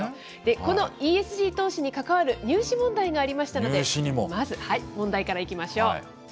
このＥＳＧ投資に関わる入試問題がありましたので、まず問題からいきましょう。